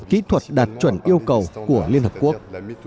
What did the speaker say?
kỹ thuật đạt chuẩn yêu cầu của liên hợp quốc